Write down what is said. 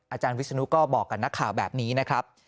อาจารย์วิศนุก็บอกกับนักข่าวแบบนี้นะครับ